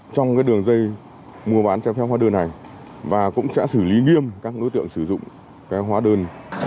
trong đường dây mua bán trái phép hóa đơn này và cũng sẽ xử lý nghiêm các đối tượng sử dụng hóa đơn